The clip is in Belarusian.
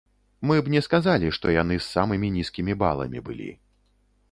Мы б не сказалі, што яны з самымі нізкімі баламі былі.